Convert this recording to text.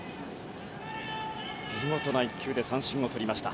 見事な１球で三振をとりました。